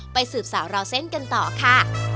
สืบสาวราวเส้นกันต่อค่ะ